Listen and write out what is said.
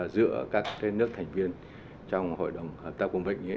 giữa các cái nước thành viên trong hội đồng hợp tác vùng vịnh